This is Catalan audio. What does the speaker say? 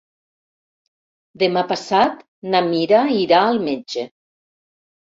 Demà passat na Mira irà al metge.